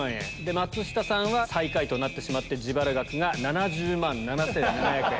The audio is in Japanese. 松下さんは最下位となってしまって自腹額が７０万７７００円。